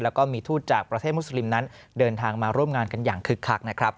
แล้วก็มีทูตจากประเทศมุสลิมนั้นเดินทางมาร่วมงานกันอย่างคึกคักนะครับ